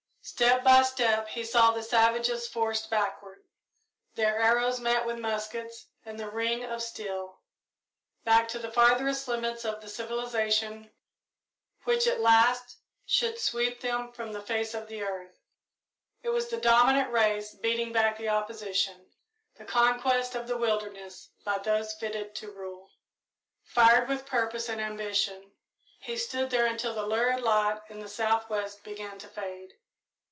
Step by step he saw the savages forced backward, their arrows met with muskets and the ring of steel back to the farthest limits of the civilisation which at last should sweep them from the face of the earth. It was the dominant race beating back the opposition; the conquest of the wilderness by those fitted to rule. Fired with purpose and ambition, he stood there until the lurid light in the south west began to fade.